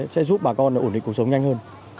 sẽ giúp bà con ổn định cuộc sống nhanh hơn